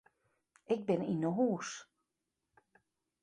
Ik bin yn 'e hûs.